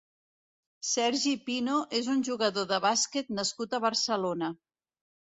Sergi Pino és un jugador de bàsquet nascut a Barcelona.